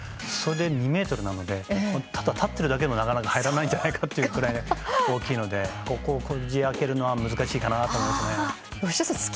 それで２ｍなのでただ立っているだけでもなかなか入らないんじゃないかというくらい大きいのでここをこじ開けるのは難しいかなと思います。